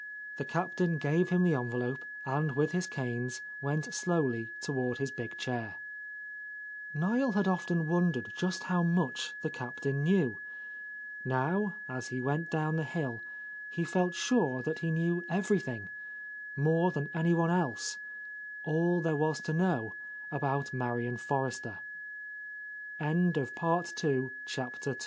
The Captain gave him the envelope, and with his canes went slowly toward his big chair. — T t6 — A Lost Lady Niel had often wondered just how much the Captain knew. Now, as he went down the hill, he felt sure that he knew everything; more than anyone else ; all there was to know about Marian Forrester. Ill